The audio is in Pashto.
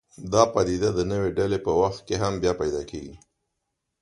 دا پدیده د نوې ډلې په وخت کې هم بیا پیدا کېږي.